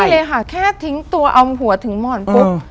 เลยค่ะแค่ทิ้งตัวเอาหัวถึงหมอนปุ๊บ